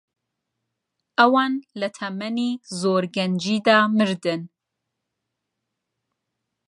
ئەوان لە تەمەنی زۆر گەنجیدا مردن.